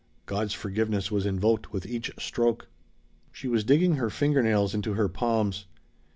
God's forgiveness was invoked with each stroke." She was digging her finger nails into her palms.